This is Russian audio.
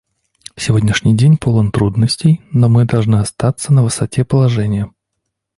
Сегодняшний день полон трудностей, но мы должны оказаться на высоте положения.